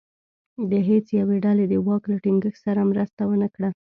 د هېڅ یوې ډلې دواک له ټینګښت سره مرسته ونه کړه.